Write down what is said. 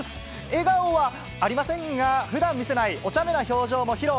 笑顔はありませんが、ふだん見せないおちゃめな表情も披露。